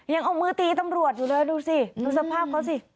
ยังเอามือตีตำรวจอยู่เลยดูสิดูสภาพเขาสิ